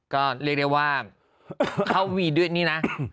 ก็เรียกได้ว่าเขามีด้วยนี่นะ